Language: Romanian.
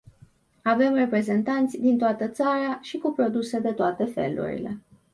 Avem reprezentanți din toată țara și cu produse de toate felurile.